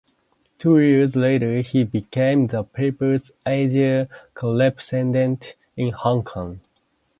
Two years later he became the paper's Asia correspondent in Hong Kong.